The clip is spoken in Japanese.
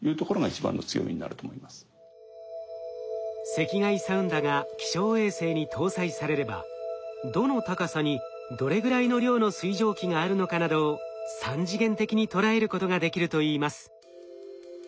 赤外サウンダが気象衛星に搭載されればどの高さにどれぐらいの量の水蒸気があるのかなどを３次元的にとらえることができるといいます。